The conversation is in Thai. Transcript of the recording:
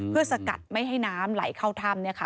เพื่อสกัดไม่ให้น้ำไหลเข้าถ้ำ